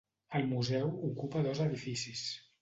El museu ocupa dos edificis.